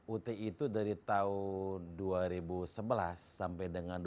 ut itu dari tahun dua ribu sebelas sampai dengan dua ribu dua